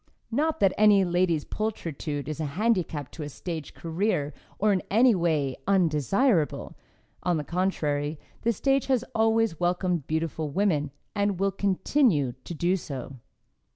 Not that any lady's pulchritude is a handicap to a stage career or in any way undesirable. On the contrary, the stage has always welcomed beautiful women, and will continue to do so.